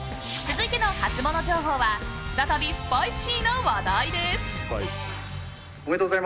続いてのハツモノ情報は再びスパイシーな話題です。